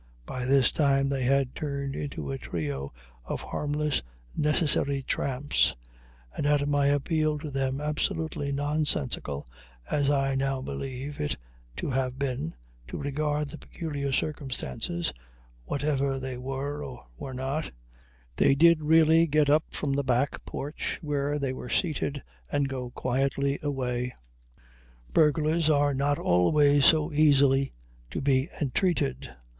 By this time they had turned into a trio of harmless, necessary tramps, and at my appeal to them absolutely nonsensical as I now believe it to have been, to regard the peculiar circumstances, whatever they were or were not, they did really get up from the back porch where they were seated and go quietly away. Burglars are not always so easily to be entreated.